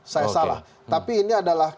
saya salah tapi ini adalah